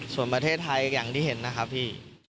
ส่วนประเทศไทยอย่างที่เห็นนะครับพี่